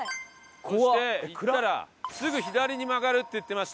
そして行ったらすぐ左に曲がるって言ってましたので。